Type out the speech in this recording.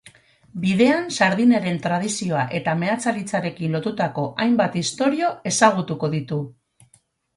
Bidean, sardineren tradizioa eta meatzaritzarekin lotutako hainbat istorio ezagutuko ditu.